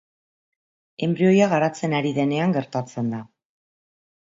Enbrioia garatzen ari denean gertatzen da.